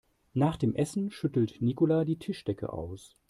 Nach dem Essen schüttelt Nicola die Tischdecke aus.